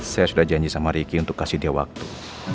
saya sudah janji sama ricky untuk kasih dia waktu